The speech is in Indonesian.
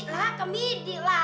hah ke midi lagi